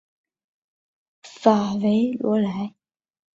法韦罗莱。